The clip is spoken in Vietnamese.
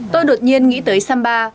tôi đột nhiên nghĩ tới samba